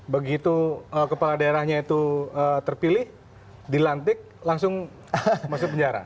begitu kepala daerahnya itu terpilih dilantik langsung masuk penjara